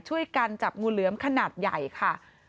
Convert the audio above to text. ช่วยกันจับงูเหลือมขนาดใหญ่ค่ะ